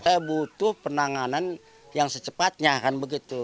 saya butuh penanganan yang secepatnya kan begitu